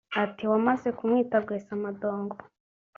Ati “ Wamaze kumwita Rwesamadongo